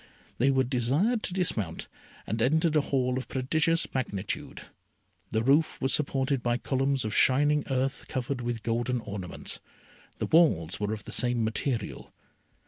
They were desired to dismount, and entered a Hall of prodigious magnitude. The roof was supported by columns of shining earth covered with golden ornaments. The walls were of the same material.